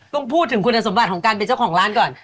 ต้องพูดถึงคุณสมบัติของการเป็นเจ้าของร้านก่อน